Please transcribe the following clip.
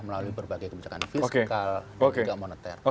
melalui berbagai kebijakan fiskal dan juga moneter